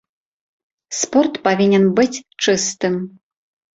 Спорт павінен быць чыстым.